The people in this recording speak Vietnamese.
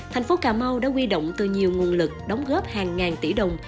thành phố cà mau đã quy động từ nhiều nguồn lực đóng góp hàng ngàn tỷ đồng